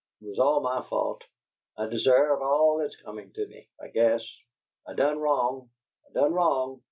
It was all my fault. I deserve all that's comin' to me, I guess. I done wrong I done wrong!